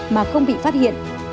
mà không bị phát hiện